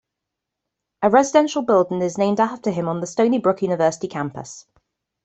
A residential building is named after him on the Stony Brook University campus.